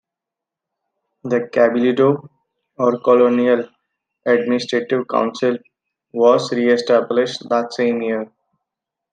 The Cabildo, or colonial administrative council, was re-established that same year.